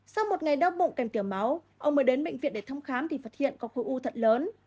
sau một ngày đau bụng kèm kiểu máu ông mới đến bệnh viện để thăm khám thì phát hiện có khối u thận lớn